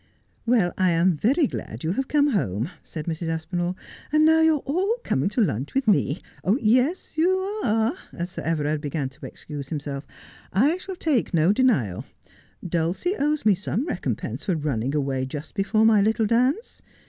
' Well, I am very glad you have come home,' said Mrs. Aspinall, ' and now you are all coming to lunch with me. Yes, you are,' as Sir Everard began to excuse himself. ' I shall take no denial. Dulcie owes me some recompense for running away just before my little dance.